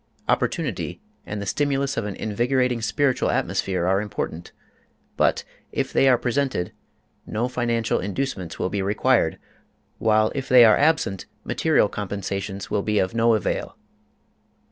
Opportunity and the stimulus of an invigorating spiritual atmosphere are important, but, if they are presented, no financial inducements will be required, while if they are absent, material compensations will be of no avail.